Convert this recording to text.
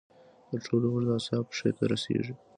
تر ټولو اوږد اعصاب پښې ته رسېږي.